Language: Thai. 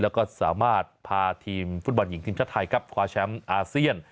แล้วก็สามารถพาทีมฟุตบอลหญิงทีมชาติไทยครับคว้าแชมป์อาเซียน